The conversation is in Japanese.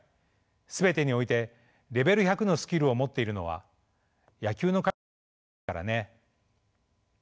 全てにおいてレベル１００のスキルを持っているのは野球の神様だけですからね」。